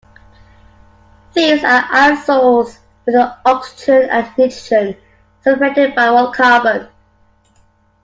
These are azoles with an oxygen and a nitrogen separated by one carbon.